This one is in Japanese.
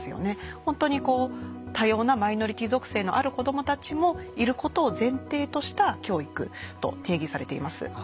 本当に多様なマイノリティー属性のある子どもたちもいることを前提とした教育と定義されています。